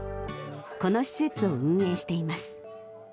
この施設を運営しています。